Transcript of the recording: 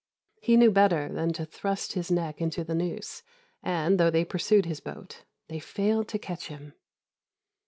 He knew better than to thrust his neck into the noose, and, though they pursued his boat, they failed to catch him.